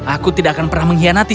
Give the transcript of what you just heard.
aku tidak akan pernah mengkhianati